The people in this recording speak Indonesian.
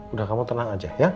udah kamu tenang aja ya